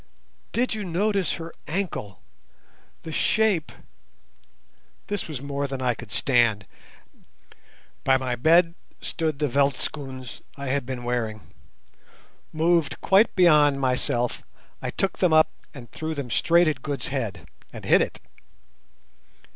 "Did you notice her ankle? The shape—" This was more than I could stand. By my bed stood the veldtschoons I had been wearing. Moved quite beyond myself, I took them up and threw them straight at Good's head—and hit it.